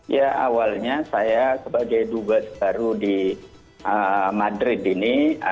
ya awalnya saya sebagai dubes baru di madrid ini